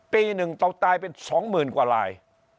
ปีหนึ่งต้องตายเป็นสองหมื่นกว่าลาย